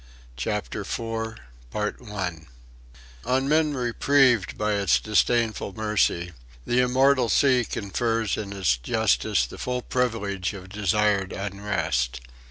CHAPTER FOUR On men reprieved by its disdainful mercy, the immortal sea confers in its justice the full privilege of desired unrest.